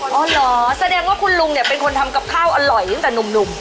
อ๋อเหรอแสดงว่าคุณลุงเนี่ยเป็นคนทำกับข้าวอร่อยตั้งแต่หนุ่ม